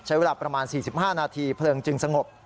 ใช้เวลาประมาณ๔๕นาทีเพลิงจึงสงบ